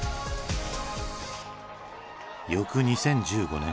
翌２０１５年